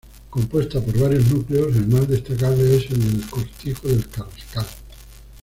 Compuesta por varios núcleos, el más destacable es el del Cortijo del Carrascal.